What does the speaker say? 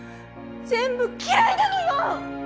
全部嫌いなのよ！